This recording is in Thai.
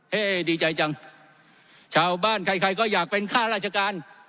เฮ้ดีใจจังชาวบ้านใครก็อยากเป็นข้าราชการ